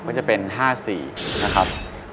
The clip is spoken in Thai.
ก็จะเป็น๕๔นะครับ